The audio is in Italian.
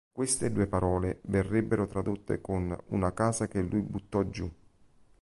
Queste due parole verrebbero tradotte con "Una casa che lui buttò giù".